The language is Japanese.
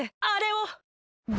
あれを！